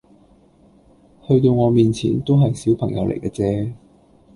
去到我面前都係小朋友嚟嘅啫